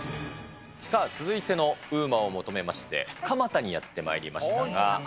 さあ、続いてのＵＭＡを求めまして、蒲田にやってまいりましたが。